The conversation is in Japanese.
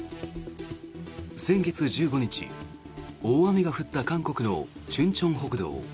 先月１５日、大雨が降った韓国の忠清北道。